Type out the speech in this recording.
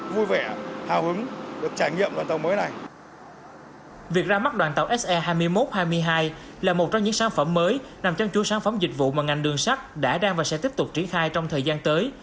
việc ra mắt đoàn tàu se hai mươi một hai mươi hai là một trong những sản phẩm mới nằm trong chú sản phẩm dịch vụ mà ngành đường sắt đã đang và sẽ tiếp tục triển khai trong thời gian tới